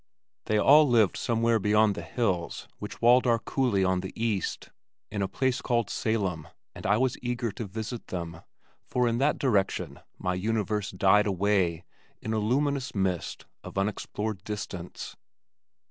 They all lived somewhere beyond the hills which walled our coulee on the east, in a place called Salem, and I was eager to visit them, for in that direction my universe died away in a luminous mist of unexplored distance.